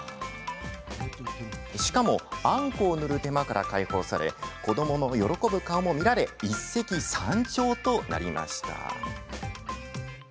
しかも、あんこを塗る手間から解放され子どもの喜ぶ顔も見られ一石三鳥となりました。